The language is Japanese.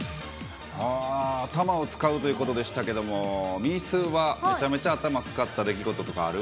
頭を使うということでしたけれども、みーすーは、めちゃめちゃ頭使った出来事とかある？